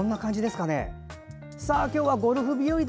今日はゴルフ日和だ！